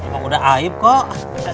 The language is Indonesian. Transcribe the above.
emang udah aib kok